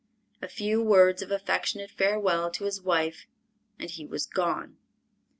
A few words of affectionate farewell to his wife and he was gone.